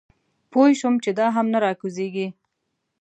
پوی شوم چې دا هم نه راکوزېږي.